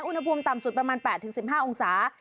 อุณหภูมิต่ำสุดประมาณ๘๑๕องศา